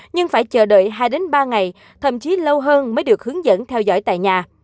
nhưng phải chờ đợi hai ba ngày thậm chí lâu hơn mới được hướng dẫn theo dõi tại nhà